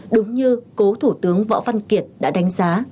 đúng như cố thủ tướng võ văn kiệt đã đánh giá